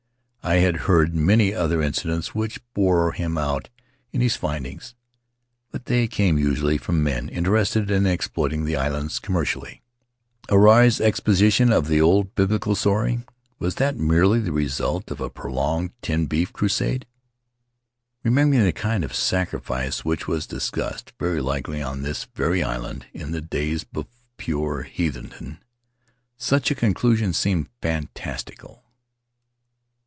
I had heard many other incidents which bore him out in his findings, but they came usually from men interested in exploiting the islands commercially. Huirai's exposition of the old biblical story — was that merely the result of a prolonged tinned beef crusade? Remembering the kind of sacrifice which was discussed, very likely on this very island, in the days of pure heathendom, such a conclusion seemed fantastical.